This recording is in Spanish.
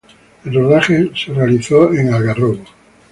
El rodaje fue realizado en Algarrobo.